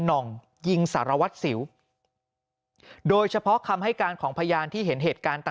น่องยิงสารวัตรสิวโดยเฉพาะคำให้การของพยานที่เห็นเหตุการณ์